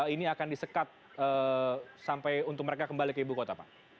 ini akan disekat sampai untuk mereka kembali ke ibu kota pak